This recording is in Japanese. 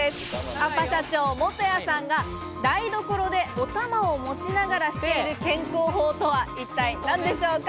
アパ社長・元谷さんが台所でお玉を持ちながらしている健康法とは一体何でしょうか？